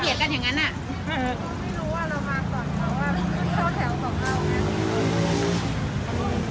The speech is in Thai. ไม่รู้เว้ยเรามาก่อนเสาร์เขาเอาแถวของเราเนี่ย